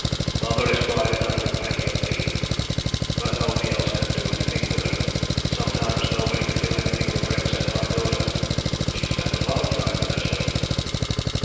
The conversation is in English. Mother is quiet enough with Peggy and me, but nobody else can do anything with her, and sometimes nobody can do anything with her except my daughter. She spends a lot of time with her, sir."